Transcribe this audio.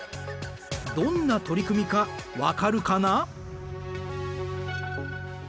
どんな取り組みか分かるかな？